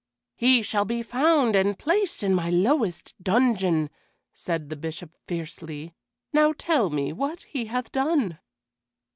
"He shall be found and placed in my lowest dungeon," said the Bishop fiercely. "Now tell me what he hath done."